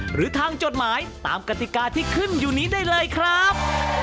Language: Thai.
หรือทางจดหมายตามกติกาที่ขึ้นอยู่นี้ได้เลยครับ